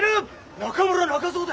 中村中蔵だ！